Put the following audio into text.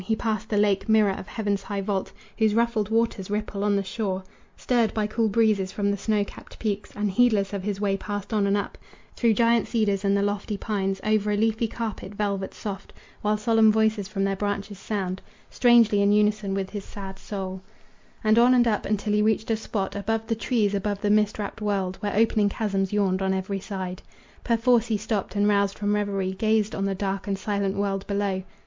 He passed the lake, mirror of heaven's high vault, Whose ruffled waters ripple on the shore, Stirred by cool breezes from the snow capped peaks; And heedless of his way passed on and up, Through giant cedars and the lofty pines, Over a leafy carpet, velvet soft, While solemn voices from their branches sound, Strangely in unison with his sad soul; And on and up until he reached a spot Above the trees, above the mist wrapped world, Where opening chasms yawned on every side. Perforce he stopped; and, roused from revery, Gazed on the dark and silent world below.